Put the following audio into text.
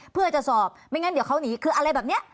เพื่อจะสอบไม่งั้นเดี๋ยวเขาหนีคืออะไรแบบนี้